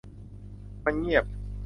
มันเงียบ